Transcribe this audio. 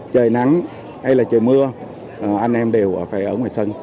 trời nắng hay là trời mưa anh em đều phải ở ngoài sân